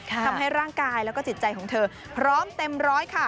ทำให้ร่างกายแล้วก็จิตใจของเธอพร้อมเต็มร้อยค่ะ